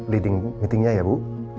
leading meetingnya ya bu